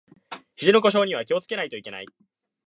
ひじの故障には気をつけないといけない